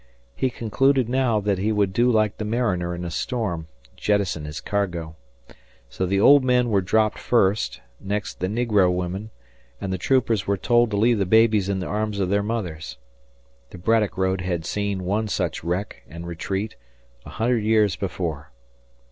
He concluded now that he would do like the mariner in a storm jettison his cargo. So the old men were dropped first; next the negro women, and the troopers were told to leave the babies in the arms of their mothers. The Braddock road had seen one such wreck and retreat a hundred years before.